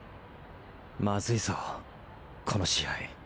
マズいぞこの試合。